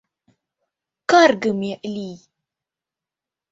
Каргыме лий!